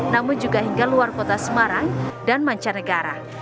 namun juga hingga luar kota semarang dan mancanegara